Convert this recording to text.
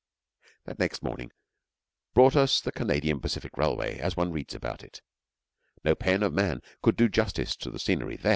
That next morning brought us the Canadian Pacific Railway as one reads about it. No pen of man could do justice to the scenery there.